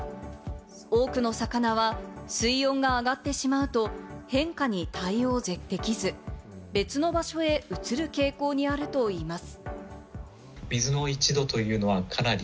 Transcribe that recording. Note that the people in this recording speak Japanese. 多くの魚は水温が上がってしまうと変化に対応できず、別の場所へ移る傾向にあるといいます。